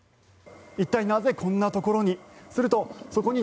一体なぜこんなところに？